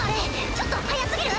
ちょっと速すぎる？